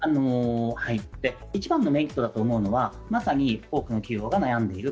一番のメリットだと思うのは、まさに多くの企業が悩んでいる